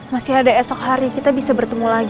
masih ada esok hari kita bisa bertemu lagi